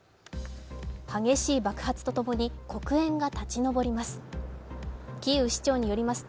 激しい爆発とともに黒煙が立ち上ります。